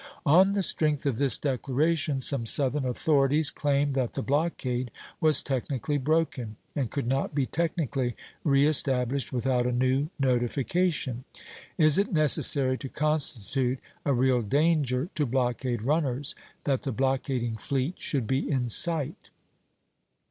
On the strength of this declaration some Southern authorities claimed that the blockade was technically broken, and could not be technically re established without a new notification. Is it necessary, to constitute a real danger to blockade runners, that the blockading fleet should be in sight?